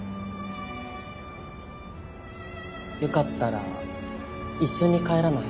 よかったら一緒に帰らない？